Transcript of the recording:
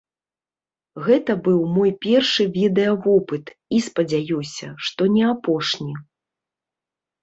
Гэта быў мой першы відэавопыт і спадзяюся, што не апошні.